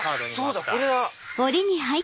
そうだこれだ！